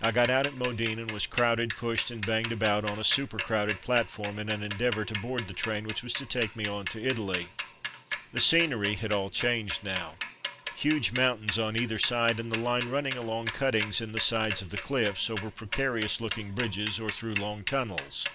I got out at Modane, and was crowded, pushed, and banged about on a super crowded platform, in an endeavour to board the train which was to take me on to Italy. 208 From Mud to Mufti The scenery had all changed now. Huge mountains on either side, and the line run ning along cuttings in the sides of the cliffs, over precarious looking bridges, or through long tunnels.